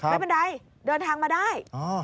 ไปบันไดเดินทางมาได้